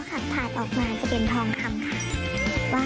ถาดออกมาจะเป็นทองคำค่ะ